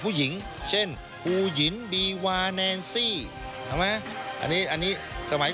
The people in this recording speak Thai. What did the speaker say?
ผู้หญิงเช่นครูหญิงดีวาแนนซี่เห็นไหมอันนี้อันนี้สมัย